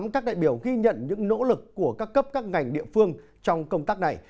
các đại biểu ghi nhận những nỗ lực của các cấp các ngành địa phương trong công tác này